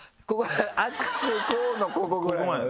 握手こうのここぐらいまで？